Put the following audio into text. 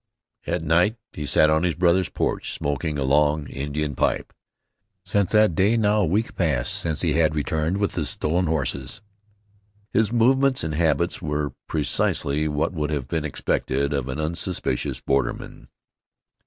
At night he sat on his brother's porch smoking a long Indian pipe. Since that day, now a week past, when he had returned with the stolen horses, his movements and habits were precisely what would have been expected of an unsuspicious borderman.